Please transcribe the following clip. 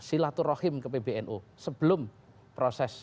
silaturahim ke pbnu sebelum proses